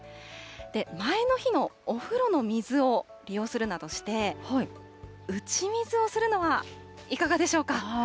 前の日のお風呂の水を利用するなどして、打ち水をするのはいかがでしょうか。